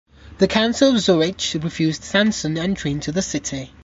The council of Zurich refused Sanson entry into the city.